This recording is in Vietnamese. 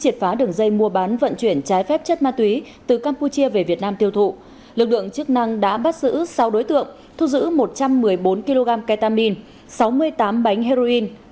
thư khen nêu rõ